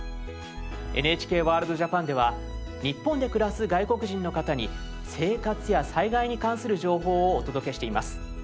「ＮＨＫＷＯＲＬＤ−ＪＡＰＡＮ」では日本で暮らす外国人の方に生活や災害に関する情報をお届けしています。